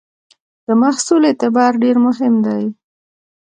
د محصول اعتبار ډېر مهم دی.